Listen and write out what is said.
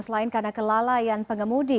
selain karena kelalaian pengemudi